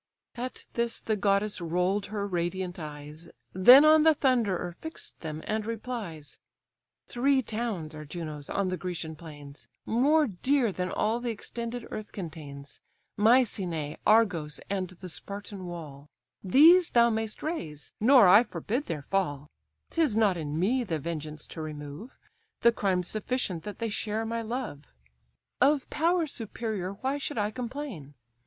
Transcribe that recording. At this the goddess rolled her radiant eyes, Then on the Thunderer fix'd them, and replies: "Three towns are Juno's on the Grecian plains, More dear than all the extended earth contains, Mycenæ, Argos, and the Spartan wall; These thou mayst raze, nor I forbid their fall: 'Tis not in me the vengeance to remove; The crime's sufficient that they share my love. Of power superior why should I complain?